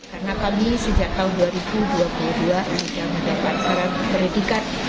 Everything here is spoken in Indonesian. karena kami sejak tahun dua ribu dua puluh dua akan mendapatkan saran berdikat